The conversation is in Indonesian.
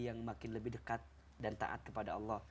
yang makin lebih dekat dan taat kepada allah